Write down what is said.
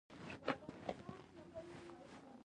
نورو شاعرانو هم د حمید لاره تعقیب کړه